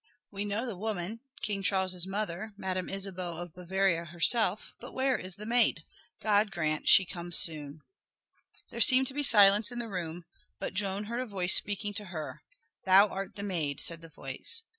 We know the woman, King Charles' mother, Madame Isabeau of Bavaria herself; but where is the maid? God grant she come soon!" There seemed to be silence in the room, but Joan heard a voice speaking to her. "Thou art the maid," said the voice.